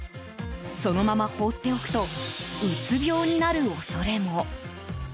そのまま放っておくとうつ病になる恐れも。